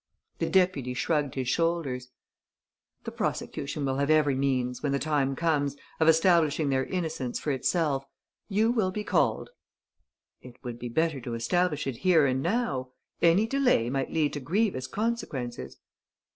The deputy shrugged his shoulders: "The prosecution will have every means, when the time comes, of establishing their innocence for itself. You will be called." "It would be better to establish it here and now. Any delay might lead to grievous consequences."